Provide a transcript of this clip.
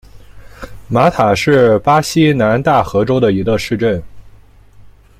马塔是巴西南大河州的一个市镇。